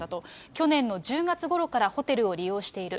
去年の１０月ごろからホテルを利用している。